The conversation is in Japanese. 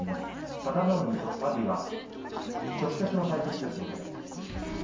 佐田の海と阿炎がきょう直接対決です。